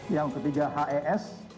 yang ketiga hes